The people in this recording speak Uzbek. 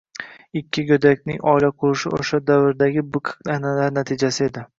Ikki goʻdakning oila qurishi oʻsha davrlardagi biqiq anʼanalar natijasi edi